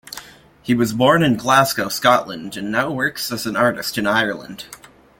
He was born in Glasgow, Scotland, and now works as an artist in Ireland.